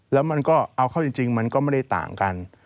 แล้วมันก็เอาเข้าจริงมันก็ไม่ได้ต่างกัน